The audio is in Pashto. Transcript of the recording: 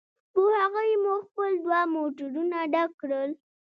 په هغوی مو خپل دوه موټرونه ډک کړل.